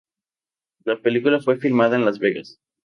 La película fue filmada en Las Vegas.